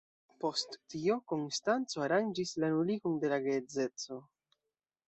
Post tio Konstanco aranĝis la nuligon de la geedzeco.